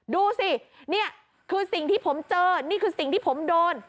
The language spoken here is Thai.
ดูสินี่คือสิ่งที่ผมเจอนี่คือสิ่งที่ผมโดน